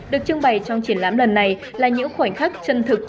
được trưng bày trong triển lãm lần này là những khoảnh khắc chân thực